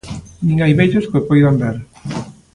Nin hai vellos que o poidan ver.